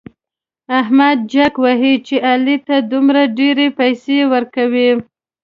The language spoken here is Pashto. احمد جک وهي چې علي ته دومره ډېرې پيسې ورکوي.